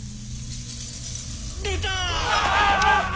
出た！